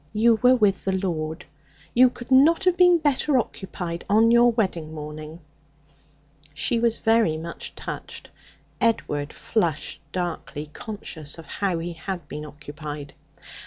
You were with the Lord. You could not have been better occupied on your wedding morning!' She was very much touched. Edward flushed darkly, conscious of how he had been occupied.